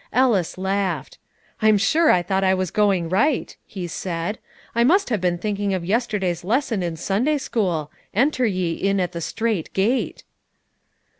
Ellis laughed. "I'm sure I thought I was going right," he said. "I must have been thinking of yesterday's lesson in Sunday school, 'Enter ye in at the strait gate.'"